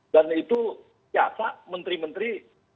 dan itu ya pak menteri menteri